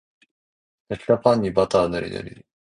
焼けたパンにバターぬりぬり